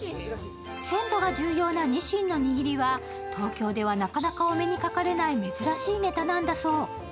鮮度が重要なニシンの握りは東京ではなかなかお目にかかれない珍しいネタなんだそう。